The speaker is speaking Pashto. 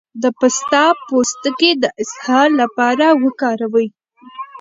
د پسته پوستکی د اسهال لپاره وکاروئ